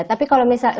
tapi kalau misalnya